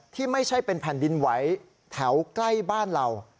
ที่ไม่ใช่เป็นแผ่นดินไหวแถวใกล้บ้านเรา